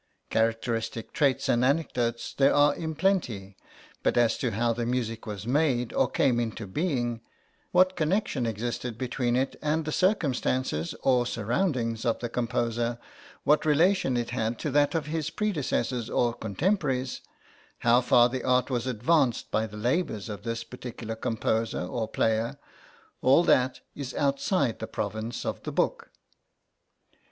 Characteristic traits and anecdotes there are in plenty, but as to how the music was made or came into being, what connection existed between it and the circumstances or surroundings of the composer, what relation it had to that of his predecessors or contemporaries, how far the art was advanced by the labours of this particular composer or player all that is outside the province of the book.